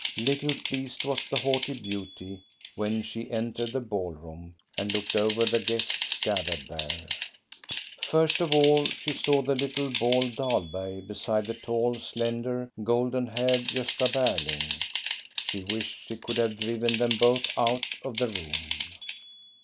Little pleased was the haughty beauty when she entered the ball room and looked over the guests gathered there. First of all she saw the little, bald Dahlberg beside the tall, slender, golden haired Gosta Berling. She wished she could have driven them both out of the room.